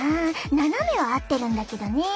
斜めは合ってるんだけどね。